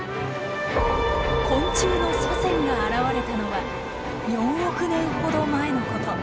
昆虫の祖先が現れたのは４億年ほど前のこと。